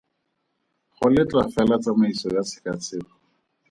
Go letlwa fela tsamaiso ya tshekatsheko.